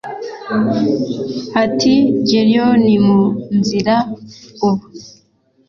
ati Géryon mu nzira ubu